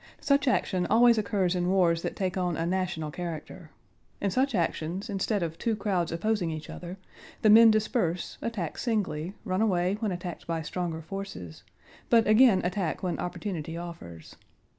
Such action always occurs in wars that take on a national character. In such actions, instead of two crowds opposing each other, the men disperse, attack singly, run away when attacked by stronger forces, but again attack when opportunity offers.